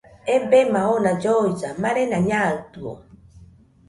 Ebema ona lloisa, marena naɨtɨo.